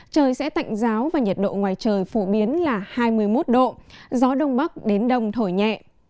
trời sẽ tạnh giáo và nhiệt độ ngoài trời phổ biến là hai mươi một độ gió đông bắc đến đông thổi nhẹ